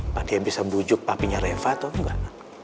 apakah dia bisa bujuk papinya reva atau enggak